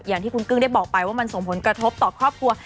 อย่างที่คุณกึ้งได้บอกไปว่ามันส่งผลกระทบต่อครอบครัว